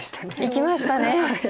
いきましたね。